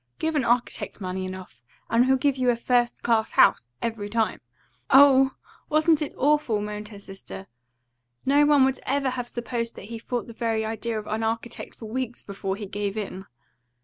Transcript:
Give an architect money enough, and he'll give you a first class house, every time.'" "Oh, wasn't it awful!" moaned her sister. "No one would ever have supposed that he had fought the very idea of an architect for weeks, before he gave in."